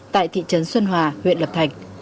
tại thị trấn xuân hòa huyện lập thạch